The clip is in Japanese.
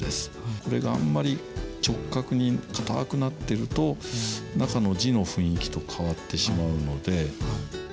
これがあんまり直角に硬くなってると中の字の雰囲気と変わってしまうので。